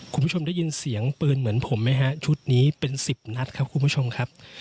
คุณผู้ชมได้ยินเสียงปืนเหมือนผมไหมฮะชุดนี้เป็นสิบนัดครับคุณผู้ชมครับ